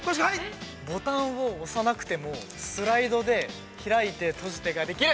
◆ボタンを押さなくてもスライドで、開いて、閉じてができる。